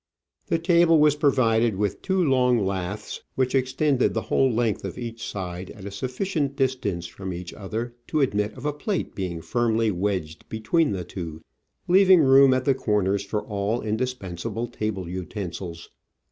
The table was provided with two long laths, which Digitized by V:iOOQIC OF AN Orchid Hunter, 7 extended the whole length of each side at a sufficient distance from each other to admit of a plate being firmly wedged between the two, leaving room at the corners for all indispensable table utensils.